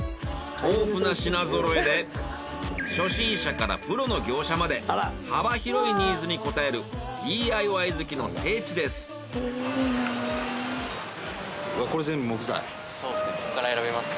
豊富な品ぞろえで初心者からプロの業者まで幅広いニーズに応えるそうですね。